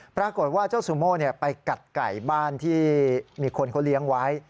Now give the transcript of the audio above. ปรากฏว่าเจ้าซูโม่ไปกัดไก่บ้านที่มีคนเขาเลี้ยงไว้